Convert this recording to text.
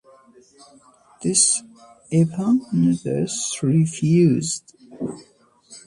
This Epaminondas refused.